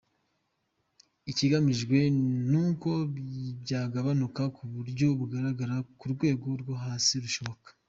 Ikigamijwe ni uko byagabanuka ku buryo bugaragara ku rwego rwo hasi rushoboka.